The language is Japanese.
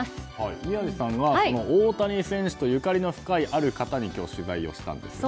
宮司さんが大谷選手とゆかりの深いある方に今日取材をしたんですよね。